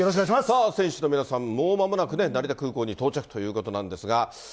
選手の皆さん、もうまもなく成田空港に到着ということなんですが。